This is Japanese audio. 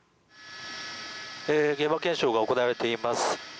現場検証が行われています。